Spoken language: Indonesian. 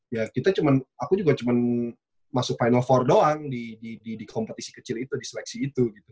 ya kita cuma aku juga cuma masuk final empat doang di kompetisi kecil itu di seleksi itu gitu